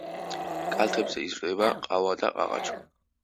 კალთებზე იზრდება ყავა და ყაყაჩო.